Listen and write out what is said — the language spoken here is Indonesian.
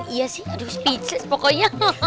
iya sih aduh speech pokoknya